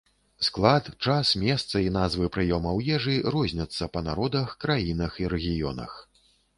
Склад, час, месца і назвы прыёмаў ежы розняцца па народах, краінах і рэгіёнах.